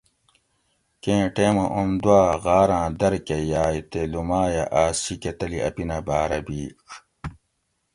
کیں ٹیمہ اوم دُوا غاۤراۤن در کہۤ یائ تےلومائ ھہ آس شیکہۤ تلی اپینہ بارہ بیڄ